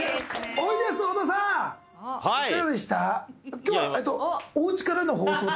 おいでやす小田さんはいいかがでした？